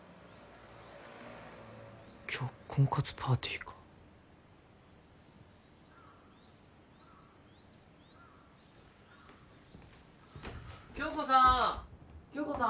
今日婚活パーティーか響子さーん響子さん